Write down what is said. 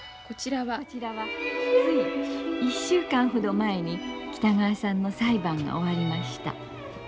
「こちらはつい１週間ほど前に北川さんの裁判が終わりました。